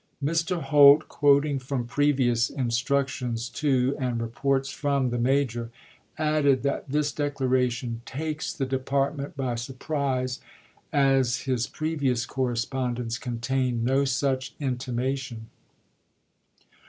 Mr. Holt, quoting from previous i'.,p.m?' instructions to and reports from the major, added that this declaration "takes the Department by surprise, as his previous correspondence contained no such intimation."